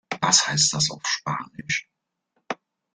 Was heißt das auf Spanisch?